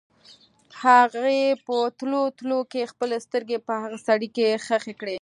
هغې په تلو تلو کې خپلې سترګې په هغه سړي کې ښخې کړې.